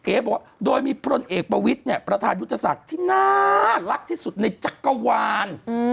บอกว่าโดยมีพลเอกประวิทย์เนี่ยประธานยุทธศักดิ์ที่น่ารักที่สุดในจักรวาล